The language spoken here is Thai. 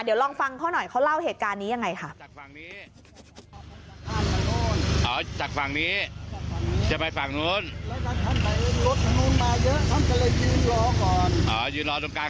เดี๋ยวลองฟังเขาหน่อยเขาเล่าเหตุการณ์นี้ยังไงค่ะ